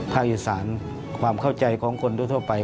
ภาคอิสรรค์ความเข้าใจของคนทั่วไป